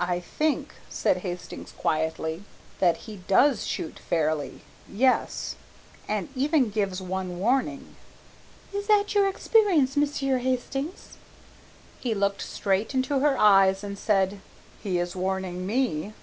"I think," said Hastings quietly, "that he does shoot fairly yes, and even gives one warning." "Is it your experience, Monsieur Hastings?" He looked straight into her eyes and said, "He is warning me."